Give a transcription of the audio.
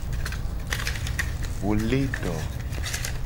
Wo le do.